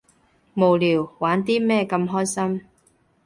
無聊，玩啲咩咁開心？